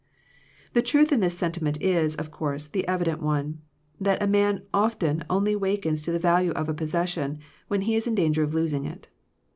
The truth in this sentiment is, of course, the evident one, that a man often only wakens to the value of a possession when he is in danger of losing it.